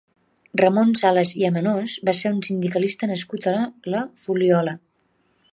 Ramon Sales i Amenós va ser un sindicalista nascut a la Fuliola.